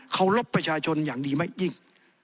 รบประชาชนอย่างดีมากยิ่ง